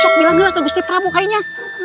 sop milaglah ke bersih prabu kayaknya